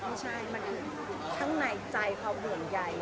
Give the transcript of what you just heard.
ไม่ใช่มันคือทั้งในใจความเหนื่อยใหญ่